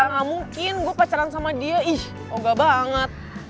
gak mungkin gua pacaran sama dia ih engga banget